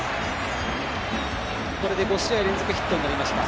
これで５試合連続ヒットになりました。